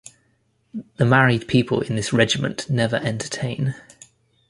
The married people in this regiment never entertain.